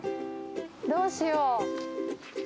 どうしよう？